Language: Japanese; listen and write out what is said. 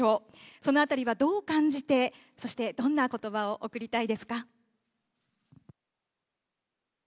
そのあたりはどう感じて、そしてどんなことばを送りたいですか？